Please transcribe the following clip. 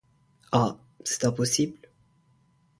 Ah ! c’est impossible ?